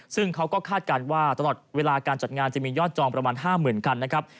ซึ่งเขาก็คาดการณ์ว่าตลอดเวลาการจัดงานจะมียอดจองประมาณ๕๐๐๐คันนะครับ